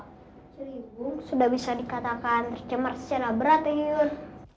celiwung sudah bisa dikatakan tercemar secara berat eyun